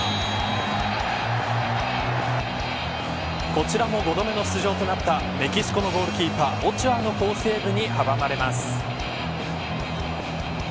こちらも５度目の出場となったメキシコのゴールキーパーオチョアの好セーブに阻まれます。